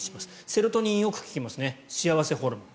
セロトニン、よく聞きますね幸せホルモン。